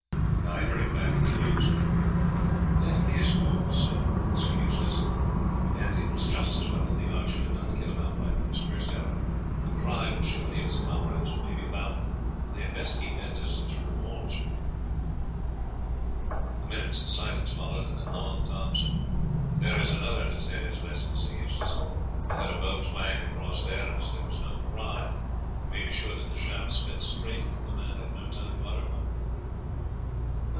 Guy hurried back with the news. "That is good," said Sir Eustace, "and it was just as well that the archer did not kill him outright with his first arrow, the cry will show any of his comrades who may be about that they had best keep their distance from the walls." A minute's silence followed, and then Long Tom said, "There is another has had his lesson, Sir Eustace. I heard a bow twang across there, and as there was no cry you may be sure that the shaft sped straight, and that the man had no time to utter one."